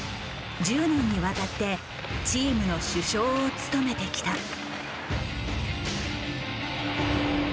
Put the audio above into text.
１０年にわたってチームの主将を務めてきた。